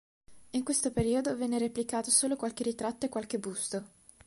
In questo periodo venne replicato solo qualche ritratto e qualche busto.